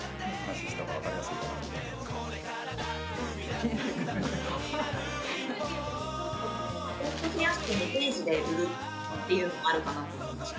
組み合わせて２ページで売るっていうのもあるかなと思いました。